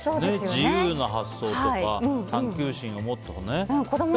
自由な発想とか探求心を持つとか。